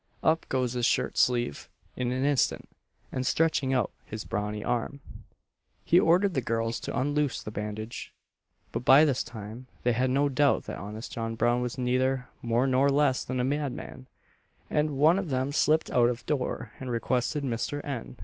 Up goes his shirt sleeve in an instant; and stretching out his brawny arm, he ordered the girls to unloose the bandage; but by this time they had no doubt that honest John Brown was neither more nor less than a madman, and one of them slipped out of door and requested Mr. N.